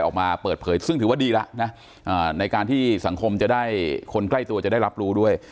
คนใกล้ตัวจะได้รับรู้ด้วย